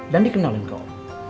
dan dikenalin kok